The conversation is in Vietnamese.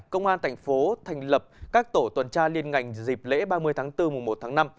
công an thành phố thành lập các tổ tuần tra liên ngành dịp lễ ba mươi tháng bốn mùa một tháng năm